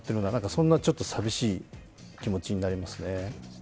そんな寂しい気持ちになりますね。